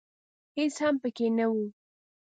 هېڅ هم پکښې نه و .